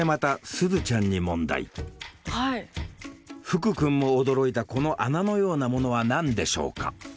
福くんも驚いたこの穴のようなものは何でしょうか？